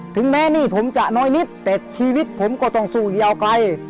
ถึงแม้หนี้ผมจะน้อยนิดแต่ชีวิตผมก็ต้องสู้ยาวไกล